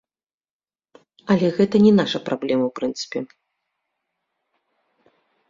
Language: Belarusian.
Але гэта не наша праблема, у прынцыпе.